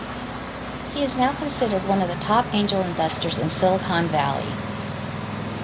He is now considered one of the top angel investors in Silicon Valley.